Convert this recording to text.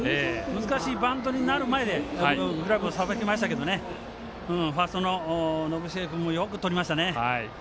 難しいバウンドになる前にグラブをさばきましたけどファーストの延末君もよくとりましたね。